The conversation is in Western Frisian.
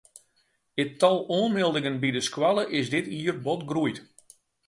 It tal oanmeldingen by de skoalle is dit jier bot groeid.